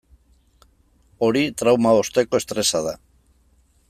Hori trauma osteko estresa da.